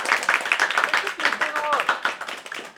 Acu ik-yewwin ɣur-s?